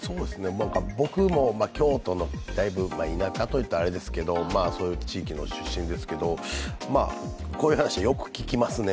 僕も京都のだいぶ田舎と言ったらあれですけどそういう地域の出身ですけど、こういう話はよく聞きますね。